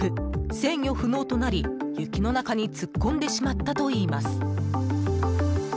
制御不能となり、雪の中に突っ込んでしまったといいます。